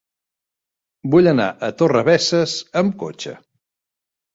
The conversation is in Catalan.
Vull anar a Torrebesses amb cotxe.